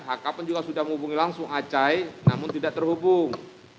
haka pun juga sudah menghubungi langsung acai namun tidak terhubung